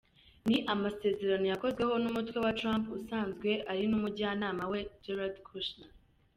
Ni amasezerano yakozweho n’umukwe wa Trump usanzwe ari n’umujyanama we, Jared Kushner.